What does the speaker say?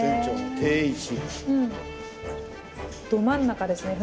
ど真ん中ですね